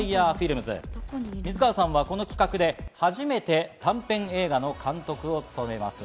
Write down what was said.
水川さんはこの企画で初めて短編映画の監督を務めます。